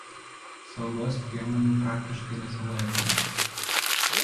Saugos priemonių praktiškai nesilaikoma.